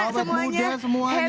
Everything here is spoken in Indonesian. awet muda semuanya